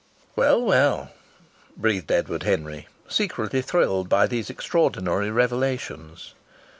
"Well, well!" breathed Edward Henry, secretly thrilled by these extraordinary revelations.